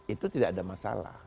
itu tidak ada masalah